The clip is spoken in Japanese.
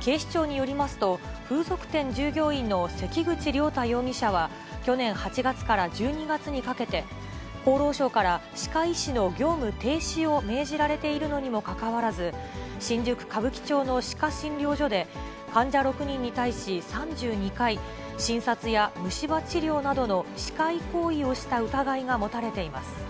警視庁によりますと、風俗店従業員の関口了太容疑者は、去年８月から１２月にかけて、厚労省から歯科医師の業務停止を命じられているのにもかかわらず、新宿・歌舞伎町の歯科診療所で患者６人に対し３２回、診察や虫歯治療などの歯科医行為をした疑いが持たれています。